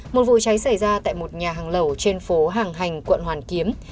một vụ cháy xảy ra tại một nhà hàng lẩu trên phố hàng hành quận hoàn kiếm